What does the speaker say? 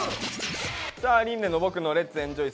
さあ琳寧の「ボクのレッツエンジョイ！